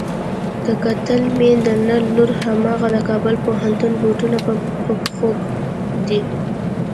که کتل مې د نر لور هماغه د کابل پوهنتون بوټونه په پښو دي.